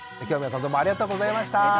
今日は皆さんどうもありがとうございました。